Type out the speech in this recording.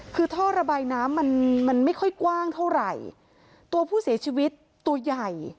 คือท่อระบายน้ำมันมันไม่ค่อยกว้างเท่าไหร่ตัวผู้เสียชีวิตตัวใหญ่